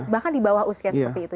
bahkan di bawah usia seperti itu